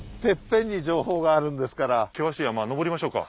険しい山登りましょうか。